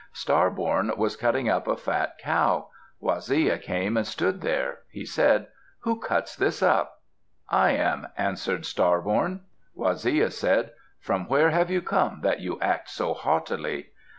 Star born was cutting up a fat cow. Waziya came and stood there. He said, "Who cuts this up?" "I am," answered Star born. Waziya said, "From where have you come that you act so haughtily?"